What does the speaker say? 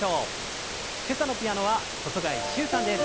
今朝のピアノは細貝柊さんです。